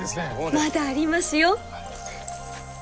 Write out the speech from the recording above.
まだありますよ！